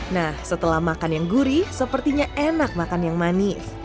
nah setelah makan yang gurih sepertinya enak makan yang manis